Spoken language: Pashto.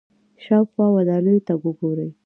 شاوخوا ودانیو ته وګورئ.